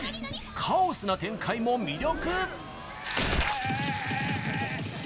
カオスな展開も魅力！